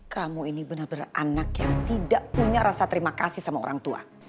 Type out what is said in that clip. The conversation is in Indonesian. kamu ini benar benar anak yang tidak punya rasa terima kasih sama orang tua